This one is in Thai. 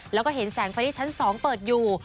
แล้วก็เห็นแสงไฟที่ชั้น๒เปิดอยู่